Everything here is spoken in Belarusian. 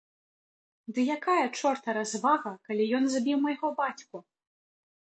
Ды якая чорта развага, калі ён забіў майго бацьку!